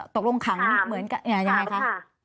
ตกลงขังอย่างไรค่ะ